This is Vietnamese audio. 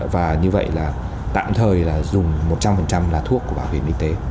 và như vậy là tạm thời là dùng một trăm linh là thuốc của bảo hiểm y tế